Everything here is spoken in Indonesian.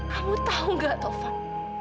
kamu tahu gak taufan